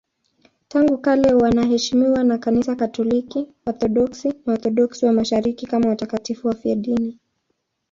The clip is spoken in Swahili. Tangu kale wanaheshimiwa na Kanisa Katoliki, Waorthodoksi na Waorthodoksi wa Mashariki kama watakatifu wafiadini.